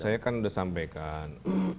saya kan sudah sampaikan